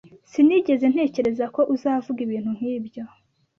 Sinigeze ntekereza ko uzavuga ibintu nkibyo.